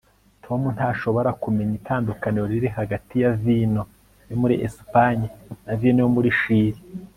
tom ntashobora kumenya itandukaniro riri hagati ya vino yo muri espagne na vino yo muri chili